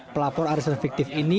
pelapor arisan fiktif ini